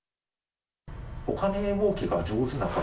お金もうけが上手な方？